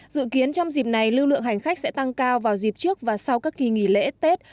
dự kiến trong dịp này lưu lượng hành khách sẽ tăng cao vào dịp trước và sau các kỳ nghỉ lễ tết